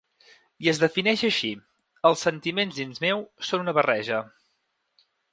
I es defineix així: Els sentiments dins meu són una barreja.